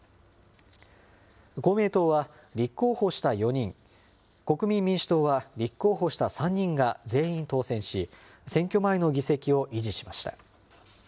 公明党は立候補した４人、国民民主党は立候補した３人が全員当選し、選挙前の議席を維持しました。